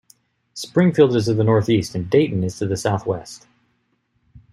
Springfield is to the northeast, and Dayton is to the southwest.